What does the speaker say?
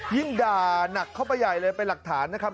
ยิ่งด่านักเข้าไปใหญ่เลยเป็นหลักฐานนะครับ